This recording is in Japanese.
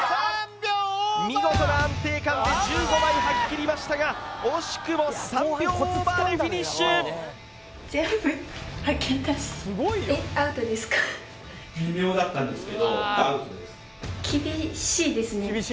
見事な安定感で１５枚はき切りましたが惜しくも３秒オーバーでフィニッシュ微妙だったんですけど厳しいですね